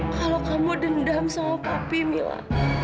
kalau kamu dendam sama kopi mila